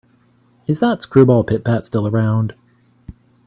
Is that screwball Pit-Pat still around?